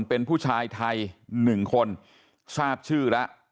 เป็นผู้ชายไทยหนึ่งคนทราบชื่อละ